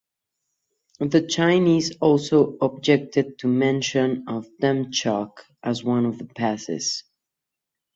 The Chinese also objected to the mention of Demchok as one of the passes.